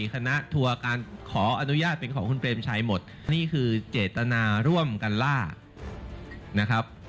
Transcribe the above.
คณะทัวร์การขออนุญาตเป็นของคุณเปรมชัยหมดนี่คือเจตนาร่วมกันล่านะครับ